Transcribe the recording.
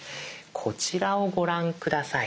こちらをご覧下さい。